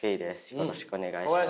よろしくお願いします。